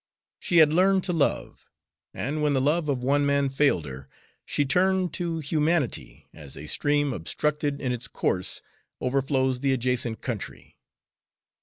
She had learned to love, and when the love of one man failed her, she turned to humanity, as a stream obstructed in its course overflows the adjacent country.